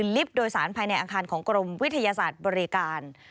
ลิฟต์โดยสารภายในอาคารของกรมวิทยาศาสตร์บริการ